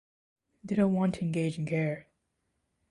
They don’t want to engage in care.